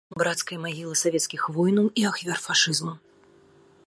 Брацкая магіла савецкіх воінаў і ахвяр фашызму.